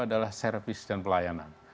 adalah servis dan pelayanan